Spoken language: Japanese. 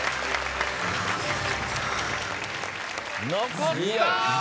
残った！